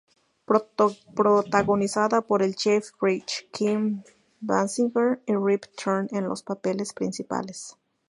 Protagonizada por Jeff Bridges, Kim Basinger y Rip Torn en los papeles principales.